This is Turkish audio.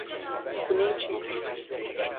Bu ne için?